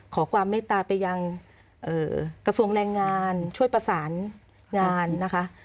ขอความเมตตาไปยังกระทรวงแรงงานช่วยประสานงานนะคะ